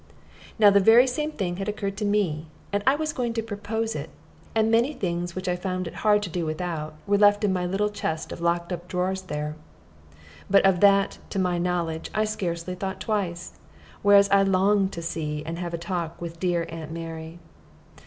Now the very same thing had occurred to me, and I was going to propose it; and many things which I found it hard to do without were left in my little chest of locked up drawers there. But of that, to my knowledge, I scarcely thought twice; whereas I longed to see and have a talk with dear "Aunt Mary."